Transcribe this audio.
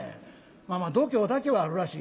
まあまあ度胸だけはあるらしいな。